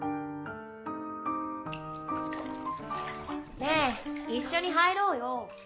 ん？ねぇ一緒に入ろうよ。